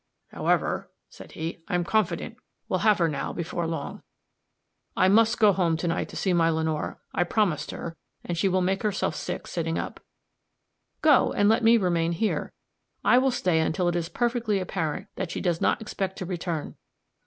"However," said he, "I'm confident we'll have her now before long. I must go home to night to see my Lenore; I promised her, and she will make herself sick sitting up." "Go; and let me remain here. I will stay until it is perfectly apparent that she does not expect to return."